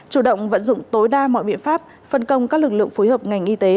chủ động vận dụng tối đa mọi biện pháp phân công các lực lượng phối hợp ngành y tế